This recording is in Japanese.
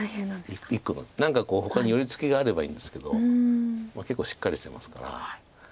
何かほかに寄り付きがあればいいんですけど結構しっかりしてますから。